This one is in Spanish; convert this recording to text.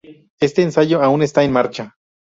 Este ensayo aún está en marcha.